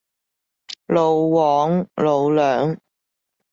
老黃，老梁